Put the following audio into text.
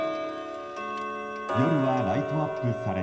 夜はライトアップされ